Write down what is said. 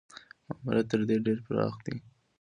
ماموریت تر دې ډېر پراخ دی.